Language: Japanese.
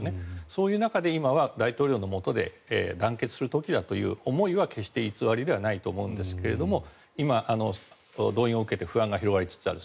そういう中で今は大統領のもとで団結する時だという思いは決して偽りではないと思うんですが今、動員を受けて不安が広がりつつある。